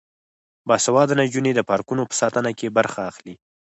باسواده نجونې د پارکونو په ساتنه کې برخه اخلي.